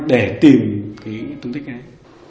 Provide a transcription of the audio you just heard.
để tìm cái túng tích này